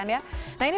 nah ini bagaimana